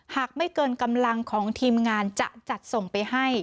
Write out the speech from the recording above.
หากไม่เกินกำลังของทีมงานจะจัดส่งไปให้